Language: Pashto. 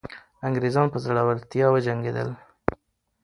انګریزان په زړورتیا وجنګېدل.